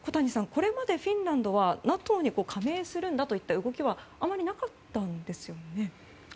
これまでフィンランドはＮＡＴＯに加盟するんだといった動きはあまりなかったんですよね。